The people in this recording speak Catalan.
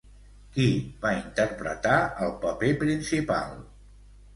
Qui va interpretar el paper principal?